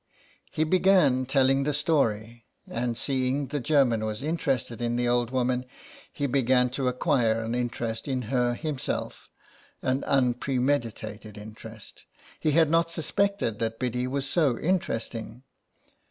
He began telling the story, and seeing that the German was interested in the old woman he began to acquire an interest in her himself, an unpre meditated interest ; he had not suspected that Biddy was so interesting.